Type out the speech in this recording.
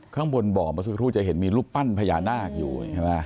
ข้างบนบ่อประสุทธิ์จะเห็นมีรูปปั้นพญานาคอยู่